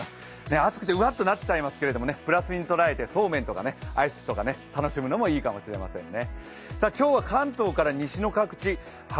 暑くてうわっとなっちゃいますけどね、プラスに捉えてアイスとかそうめんとか楽しむのもいいかもしれませんね。